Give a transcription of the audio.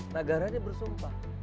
negara ini bersumpah